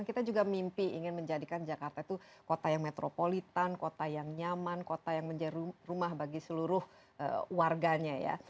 kita juga mimpi ingin menjadikan jakarta itu kota yang metropolitan kota yang nyaman kota yang menjadi rumah bagi seluruh warganya ya